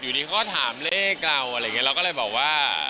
อยู่ดีกว่าถามเลขเราเราก็เลยบอกว่า